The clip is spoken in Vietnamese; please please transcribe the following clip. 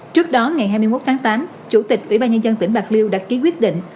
trước đó ngày hai mươi một tháng tám chủ tịch ủy ban nhân dân tỉnh bạc liêu đã ký quyết định